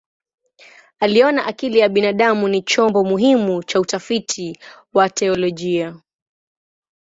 Aliona akili ya binadamu ni chombo muhimu cha utafiti wa teolojia.